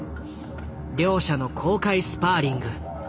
両者の公開スパーリング。